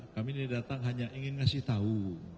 kami ini datang hanya ingin ngasih tahu